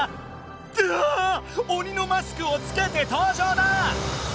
うわあ鬼のマスクをつけて登場だ！